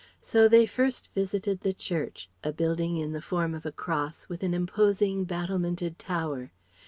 So they first visited the church, a building in the form of a cross, with an imposing battlemented tower.